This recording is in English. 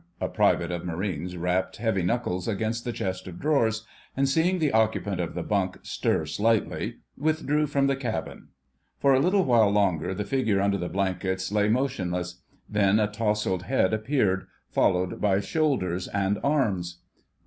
A private of Marines rapped heavy knuckles against the chest of drawers, and, seeing the occupant of the bunk stir slightly, withdrew from the cabin. For a little while longer the figure under the blankets lay motionless; then a tousled head appeared, followed by shoulders and arms.